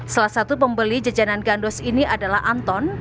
salah satu pembeli jajanan gandos ini adalah anton